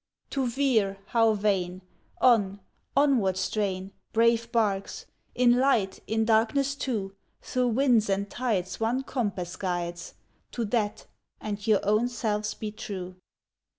To veer, how vain! On, onward strain, Brave barks! In light, in darkness too, Through winds and tides one compass guides; To that and your own selves be true.